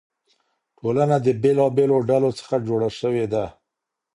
ټولنه د بېلابېلو ډلو څخه جوړه سوې ده.